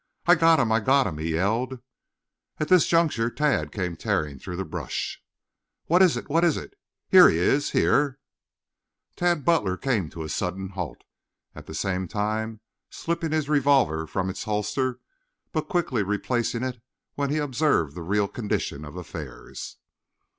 "I got him! I got him!" he yelled. At this juncture Tad came tearing through the brush. "What is it? What is it? Here he is. Here " Tad Butler came to a sudden halt, at the same time slipping his revolver from its holster, but as quickly replacing it when he observed the real condition of affairs.